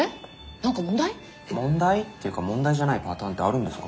何か問題？問題？っていうか問題じゃないパターンってあるんですか？